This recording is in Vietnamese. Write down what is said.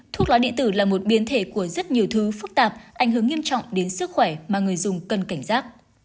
thuốc lá điện tử là một biến thể của rất nhiều thứ phức tạp ảnh hưởng nghiêm trọng đến sức khỏe mà người dùng cần cảnh giác